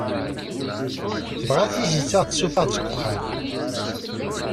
Tebɣa tizit ad aɣ-tessufeɣ seg uxxam.